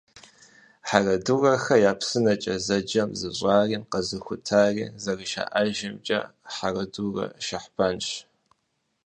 «Хьэрэдурэхэ я псынэкӀэ» зэджэр зыщӀари, къэзыхутари, зэрыжаӀэжымкӀэ, Хьэрэдурэ Шэхьбанщ.